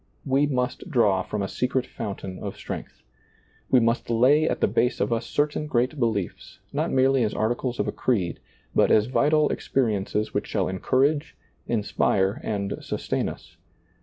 We must draw from a secret fountain of strength. We must lay at the base of us certain great beliefs, not merely as articles of a creed, but as vital ex periences which shall encourage, inspire, and sus tain us.